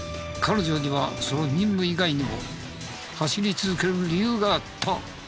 彼女にはその任務以外にも走り続ける理由があった。